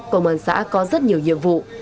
công an xã có rất nhiều nhiệm vụ